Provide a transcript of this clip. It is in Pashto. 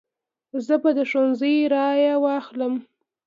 زه به د ښځې رای واخلم.